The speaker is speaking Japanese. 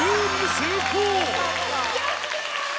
やった！